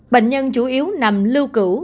bệnh nhân chủ yếu nằm lưu cửu